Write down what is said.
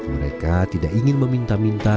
mereka tidak ingin meminta minta